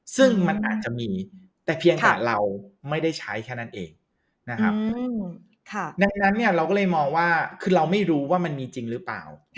ซึ่งมันอาจจะมีแต่เพียงแต่เราไม่ได้ใช้แค่นั้นเองนะครับดังนั้นเนี่ยเราก็เลยมองว่าคือเราไม่รู้ว่ามันมีจริงหรือเปล่า